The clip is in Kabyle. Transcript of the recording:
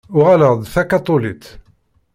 Uɣaleɣ d takaṭulit.